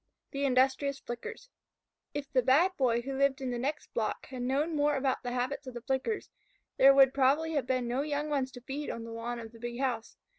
THE INDUSTRIOUS FLICKERS If the Bad Boy who lived in the next block had known more about the habits of Flickers, there would probably have been no young ones to feed on the lawn of the big house.